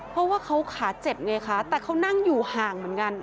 เพราะว่าเขาขาเจ็บไงคะแต่เขานั่งอยู่ห่างเหมือนกัน